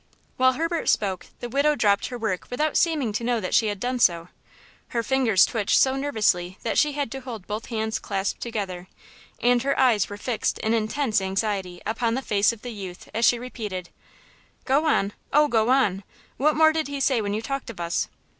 '" While Herbert spoke the widow dropped her work without seeming to know that she had done so; her fingers twitched so nervously that she had to hold both hands clasped together, and her eyes were fixed in intense anxiety upon the face of the youth as she repeated: "Go on–oh, go on. What more did he say when you talked of us?"